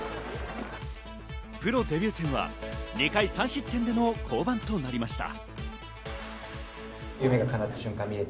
プロデビュー戦は２回３失点での降板となりました。